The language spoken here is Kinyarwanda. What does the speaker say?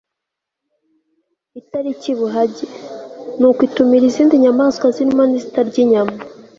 itari buhage. nuko itumira izindi nyamaswa zirimo n'izitarya inyama